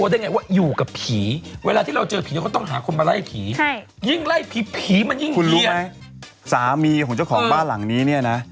เวลาที่เราเจอผีก็ต้องหาคนไล่ผีคุณรู้มั้ยสามีของเจ้าของบ้านหลังนี้